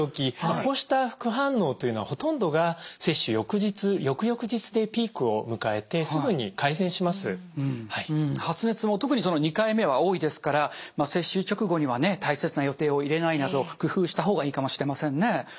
こうした副反応というのは発熱も特に２回目は多いですから接種直後にはね大切な予定を入れないなど工夫した方がいいかもしれませんね。